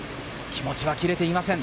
気持ちは切れていません。